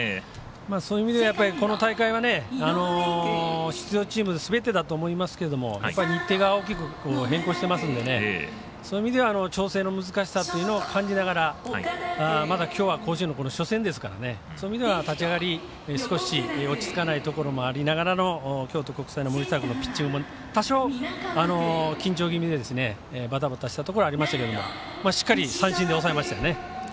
そういう意味ではこの大会は出場チームすべてだと思いますが日程が大きく変更していますのでそういう意味では調整の難しさというのを感じながら、まだきょうは甲子園初戦ですからそういう意味では立ち上がり少し、落ち着かないところがありながらの京都国際の森下君のピッチングも、多少は緊張気味で、バタバタしたところありましたがしっかり三振で抑えましたね。